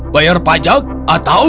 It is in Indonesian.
bayar pajak atau